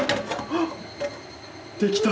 あっ！